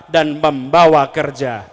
dan membawa kerja